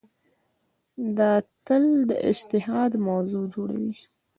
دا تل د اجتهاد موضوع جوړوي.